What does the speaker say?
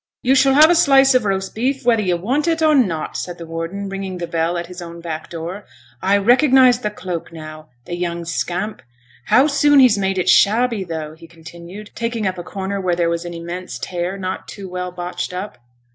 'You shall have a slice of roast beef, whether you want it or not,' said the warden, ringing the bell at his own back door. 'I recognize the cloak now the young scamp! How soon he has made it shabby, though,' he continued, taking up a corner where there was an immense tear not too well botched up.